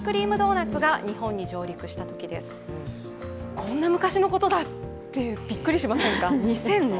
こんな昔のことだってびっくりしませんか？